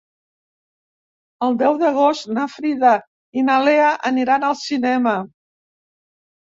El deu d'agost na Frida i na Lea aniran al cinema.